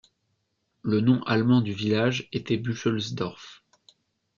Le nom allemand du village était Buchelsdorf.